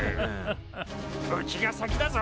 うちが先だぞ。